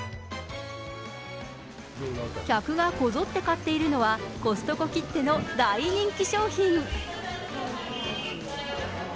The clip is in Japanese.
客がこぞって買っているのは、コストコきっての大人気商品。